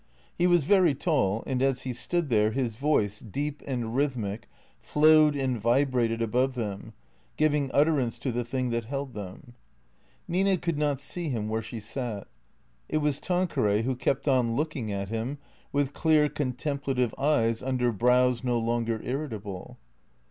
He was very tall, and as he stood there his voice, deep and rhythmic, flowed and vibrated above them, giving utterance to the thing that held them. Nina could not see him where she sat. It was Tanqueray who kept on looking at him with clear, contemplative eyes under brows no longer irritable.